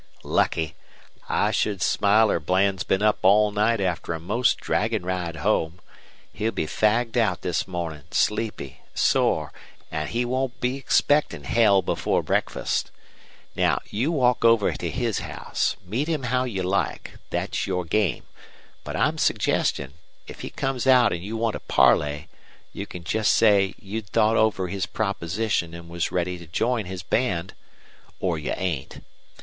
"Lucky! I should smiler Bland's been up all night after a most draggin' ride home. He'll be fagged out this mornin', sleepy, sore, an' he won't be expectin' hell before breakfast. Now, you walk over to his house. Meet him how you like. Thet's your game. But I'm suggestin', if he comes out an' you want to parley, you can jest say you'd thought over his proposition an' was ready to join his band, or you ain't.